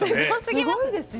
すごいですよ。